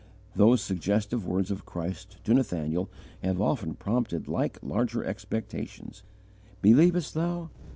Those suggestive words of Christ to Nathanael have often prompted like larger expectations: "Believest thou?